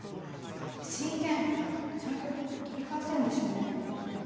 親権ちゃんと取り返せるんでしょうね？